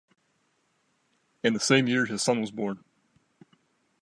In the same year his son was born.